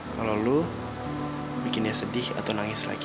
kalau lo bikin dia sedih atau nangis lagi